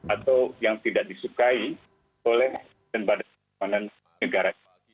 atau yang tidak disukai oleh dan pada keamanan negara